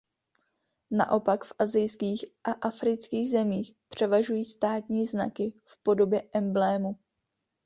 Naopak v asijských a afrických zemích převažují státní znaky v podobě emblému.